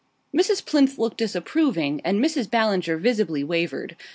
Mrs. Plinth looked disapproving, and Mrs. Ballinger visibly wavered.